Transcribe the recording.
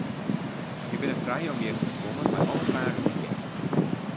Je binne frij om hjir te kommen mei alle fragen dy't je ha.